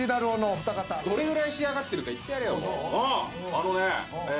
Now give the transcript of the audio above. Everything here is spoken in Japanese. あのねえ